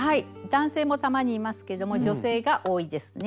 男性もたまにいますけども女性が多いですね。